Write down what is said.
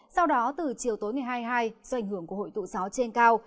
sau đó từ chiều tối ngày hai mươi hai do ảnh hưởng của hội tụ gió trên cao